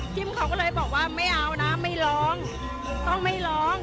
เขาก็เลยบอกว่าไม่เอานะไม่ร้องต้องไม่ร้อง